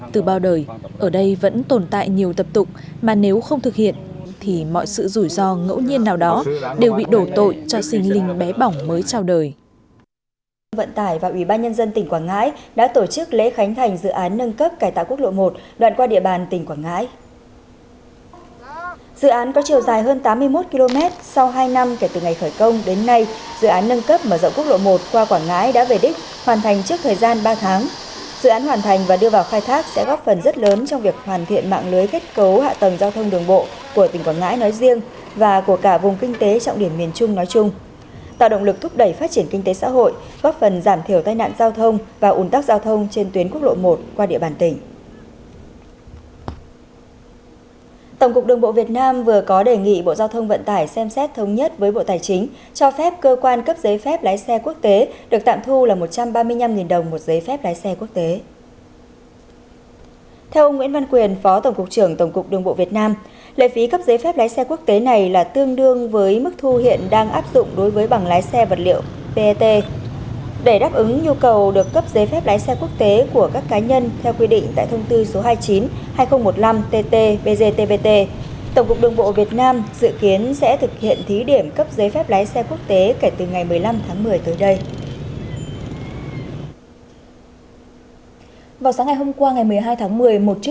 từ bao đời ở đây vẫn tồn tại nhiều tập tục mà nếu không thực hiện thì mọi sự rủi ro ngẫu nhiên nào đó đều bị đổ tội cho sinh linh bé bỏng mới